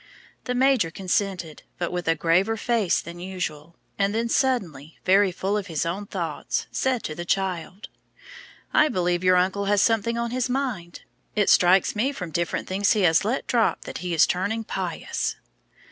The major consented, but with a graver face than usual, and then suddenly, very full of his own thoughts, said to the child, "I believe your uncle has something on his mind. It strikes me from different things he has let drop that he is turning pious."